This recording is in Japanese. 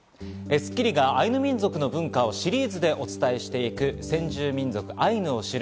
『スッキリ』がアイヌ民族の文化をシリーズでお伝えしていく「先住民族アイヌを知る」。